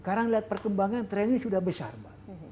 sekarang lihat perkembangan tren ini sudah besar mbak